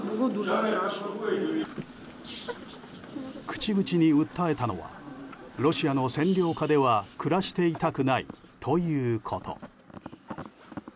口々に訴えたのはロシアの占領下では暮らしていたくないということ。